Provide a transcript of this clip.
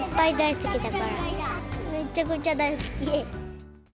めっちゃくちゃ大好き。